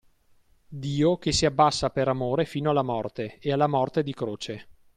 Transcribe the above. Dio che si abbassa per amore fino alla morte, e alla morte di croce.